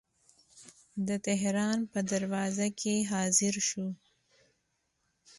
د تهران په دروازه کې حاضر شو.